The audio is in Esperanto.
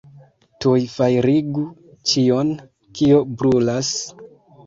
Tuj fajrigu ĉion, kio brulas!